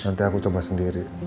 nanti aku coba sendiri